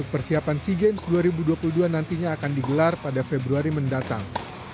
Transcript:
persiapan sea games dua ribu dua puluh dua nantinya akan digelar pada februari mendatang